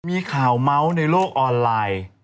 มีข่าวเมาส์ในโลกออนไลน์